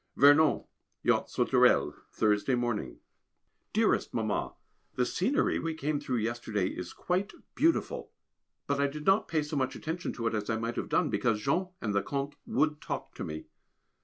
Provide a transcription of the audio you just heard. Vernon, Yacht Sauterelle, Thursday morning. [Sidenote: Vernon] Dearest Mamma, The scenery we came through yesterday is quite beautiful, but I did not pay so much attention to it as I might have done, because Jean and the Comte would talk to me.